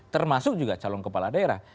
termasuk juga calon kepala daerah